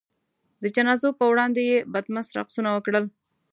د جنازو په وړاندې یې بدمست رقصونه وکړل.